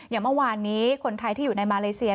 อย่างเมื่อวานนี้คนไทยที่อยู่ในมาเลเซีย